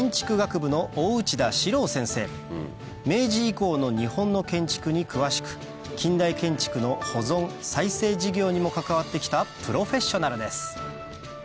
明治以降の日本の建築に詳しく近代建築の保存再生事業にも関わって来たプロフェッショナルです